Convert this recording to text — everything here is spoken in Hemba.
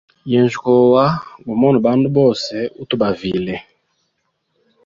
Yenjya kowa gumone bandu bonse uthu bavile.